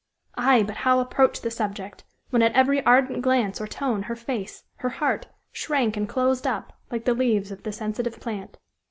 Ay! but how approach the subject when, at every ardent glance or tone, her face, her heart, shrank and closed up, like the leaves of the sensitive plant.